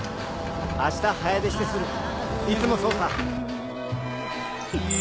明日早出して刷るいつもそうさ。